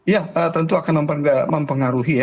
ya tentu akan mempengaruhi ya